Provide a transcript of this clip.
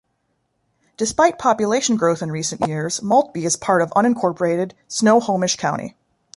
Despite population growth in recent years, Maltby is part of unincorporated Snohomish County.